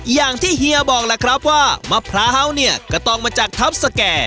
อย่างที่เฮียบอกล่ะครับว่ามะพร้าวเนี่ยก็ต้องมาจากทัพสแก่